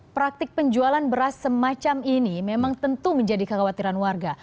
praktik penjualan beras semacam ini memang tentu menjadi kekhawatiran warga